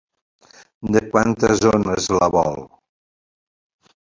De quantes zones la vol?